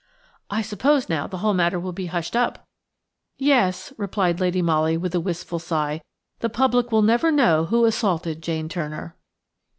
"I suppose now the whole matter will be hushed up." "Yes," replied Lady Molly with a wistful sigh. "The public will never know who assaulted Jane Turner."